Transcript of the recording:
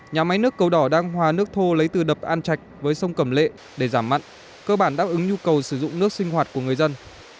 nhà máy nước cầu đỏ đang hòa nước thô lấy từ đập an trạch với sông cẩm lệ để giảm mặn cơ bản đáp ứng nhu cầu sử dụng nước sinh hoạt của người dân